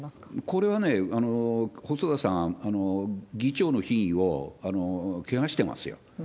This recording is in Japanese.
これはね、細田さん、議長の品位を汚してますよ。